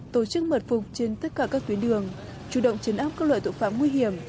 tổ chức mật phục trên tất cả các tuyến đường chủ động chấn áp các loại tội phạm nguy hiểm